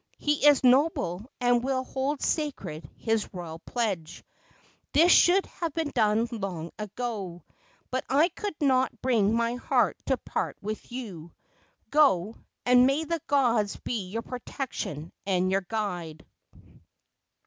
He is noble and will hold sacred his royal pledge. This should have been done long ago, but I could not bring my heart to part with you. Go, and may the gods be your protection and your guide!"